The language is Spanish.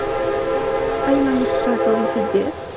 Tuvo el título alternativo de Nadie lo oyó gritar.